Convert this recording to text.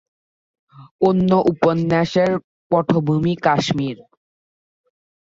অন্য উপন্যাসের পটভূমি কাশ্মীর।